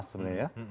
panas sebenarnya ya